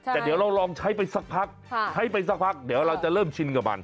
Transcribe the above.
แต่เดี๋ยวเราลองใช้ไปสักพักใช้ไปสักพักเดี๋ยวเราจะเริ่มชินกับมัน